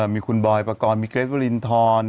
มีคุณบอยประกอบกีแฟเว่ริ้นทอน